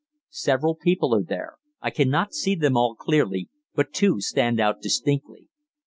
Several people are there I cannot see them all clearly, but two stand out distinctly.